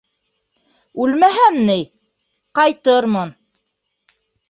Үлмәһәм ней... ҡайтырмын...